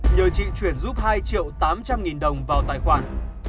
nhờ chị chuyển giúp hai triệu tám trăm linh nghìn đồng vào tài khoản